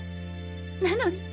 なのに。